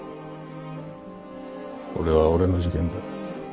これは俺の事件だ。